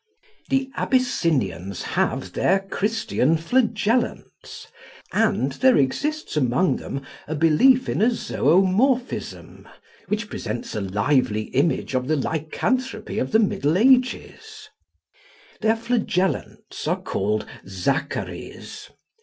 _The Abyssinians have their Christian flagellants, and there exists among them a belief in a Zoomorphism, which presents a lively image of the lycanthropy of the Middle Ages_. Their flagellants are called Zackarys.